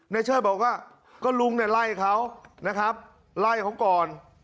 เชิดบอกว่าก็ลุงเนี่ยไล่เขานะครับไล่เขาก่อน